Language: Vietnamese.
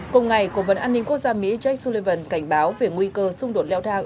cùng ngày cổ vấn an ninh quốc gia mỹ jake sullivan cảnh báo về nguy cơ xung đột leo thang